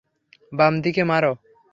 বাম দিকে মারো।